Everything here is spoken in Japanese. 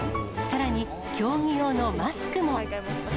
さらに競技用のマスクも。